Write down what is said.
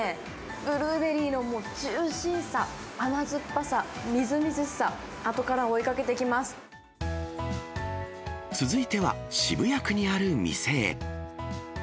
ブルーベリーのジューシーさ、甘酸っぱさ、みずみずしさ、続いては、渋谷区にある店へ。